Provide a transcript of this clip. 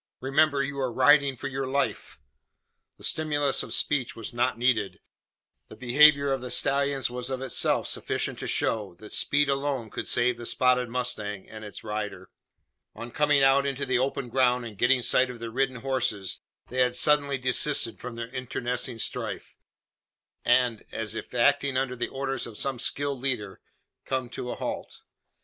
Remember you are riding for your life!" The stimulus of speech was not needed. The behaviour of the stallions was of itself sufficient to show, that speed alone could save the spotted mustang and its rider. On coming out into the open ground, and getting sight of the ridden horses, they had suddenly desisted from their internecine strife; and, as if acting under the orders of some skilled leader, come to a halt.